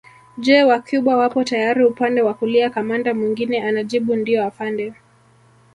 Je Wacuba wapo tayari upande wa kulia kamanda mwingine anajibu ndio afande